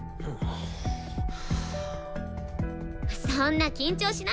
そんな緊張しないで！